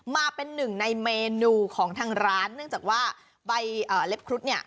มาเป็นหนึ่งในเมนูของทางร้านเนื่องจากว่าใบเล็บครุฑเนี่ย